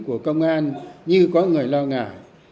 của công an như có người lo ngại